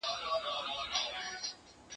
کتاب واخله!.